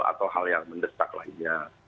atau hal yang mendesak lainnya